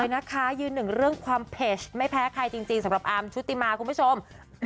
บอกด้วยนะคะยืนถึงเรื่องความเพชรไม่แพ้ใครจริงสำหรับอามชุดติมาร์คุณผู้ชม